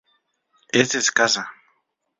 Es escasa.